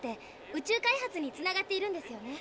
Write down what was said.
宇宙開発につながっているんですよね。